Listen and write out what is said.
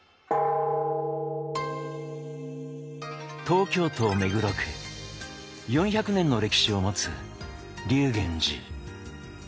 東京都目黒区４００年の歴史を持つ立源寺。